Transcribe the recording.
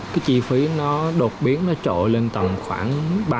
cái chi phí nó đột biến nó trội lên tầm khoảng ba mươi